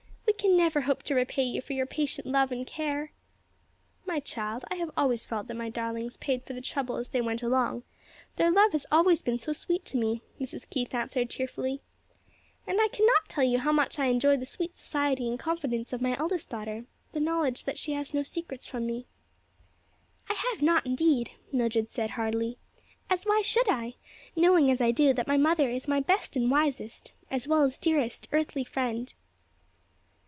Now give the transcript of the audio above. "We can never hope to repay you for your patient love and care." "My child, I have always felt that my darlings paid for their trouble as they went along; their love has always been so sweet to me," Mrs. Keith answered, cheerily. "And I can not tell you how much I enjoy the sweet society and confidence of my eldest daughter the knowledge that she has no secrets from me." "I have not, indeed," Mildred said, heartily, "as why should I? knowing as I do that my mother is my best and wisest, as well as dearest earthly friend."